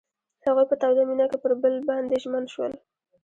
هغوی په تاوده مینه کې پر بل باندې ژمن شول.